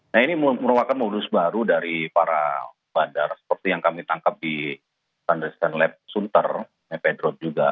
nah ini merupakan modus baru dari para bandar seperti yang kami tangkap di standar scan lab sunter medroad juga